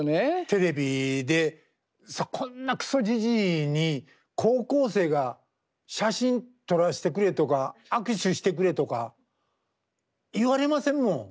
テレビでこんなクソジジイに高校生が「写真撮らせてくれ」とか「握手してくれ」とか言われませんもん。